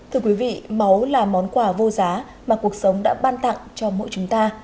thưa quý vị máu là món quà vô giá mà cuộc sống đã ban tặng cho mỗi chúng ta